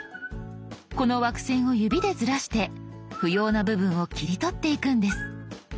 この枠線を指でずらして不要な部分を切り取っていくんです。